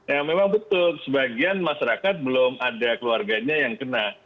ya memang betul sebagian masyarakat belum ada keluarganya yang kena